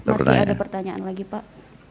masih ada pertanyaan lagi pak